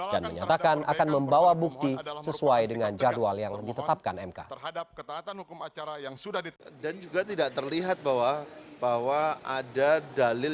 dan menyatakan akan membawa bukti sesuai dengan jadwal ini